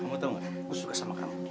kamu tau gak gue suka sama kamu